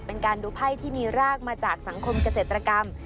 เป็นการดูไพ่ที่มีรากมาจากสังคมเกษตรกรรม